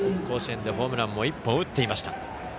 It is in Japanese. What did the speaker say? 甲子園でホームランを１本打っていました。